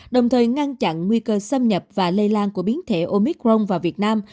đồng thời ngăn chặn nguy cơ xâm nhập và lây lan của biến thể omicron vào việt nam